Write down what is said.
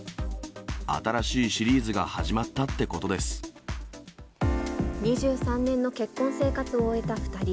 新しいシリーズが始まったってこ２３年の結婚生活を終えた２人。